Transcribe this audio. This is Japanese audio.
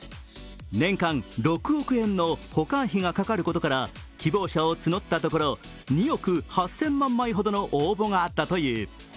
年間６億円の保管費がかかることから希望者を募ったところ２億８０００万枚ほどの応募があったという。